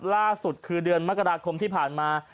ล่าสุดคือเดือนมกราคมที่ผ่านมา